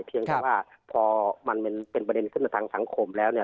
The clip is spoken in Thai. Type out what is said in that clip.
เพียงแต่ว่าพอมันเป็นประเด็นขึ้นมาทางสังคมแล้วเนี่ย